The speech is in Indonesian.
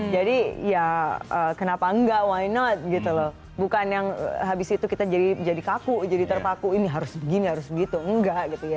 jadi ya kenapa enggak why not gitu loh bukan yang habis itu kita jadi jadi kaku jadi terpaku ini harus begini harus begitu enggak gitu ya